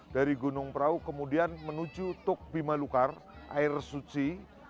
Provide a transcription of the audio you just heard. dari gunung pranowo kemudian menuju tuk pimalukar air suci